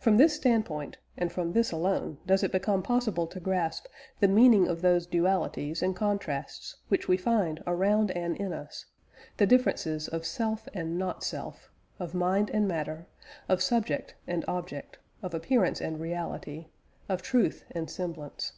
From this standpoint, and from this alone, does it become possible to grasp "the meaning of those dualities and contrasts which we find around and in us, the differences of self and not self, of mind and matter, of subject and object, of appearance and reality, of truth and semblance."